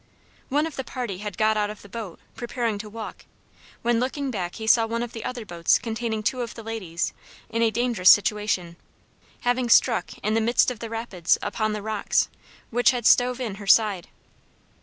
One of the party had got out of the boat, preparing to walk, when looking back he saw one of the other boats containing two of the ladies, in a dangerous situation, having struck, in the midst of the rapids, upon the rocks, which had stove in her side.